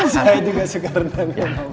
saya juga suka rendang sama papa